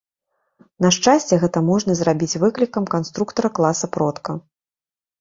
На шчасце, гэта можна зрабіць выклікам канструктара класа-продка.